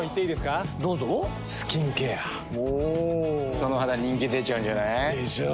その肌人気出ちゃうんじゃない？でしょう。